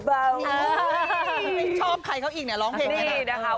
เธอไม่ชอบใครเค้าอีกหน่อยร้องเพลงให้แล้ว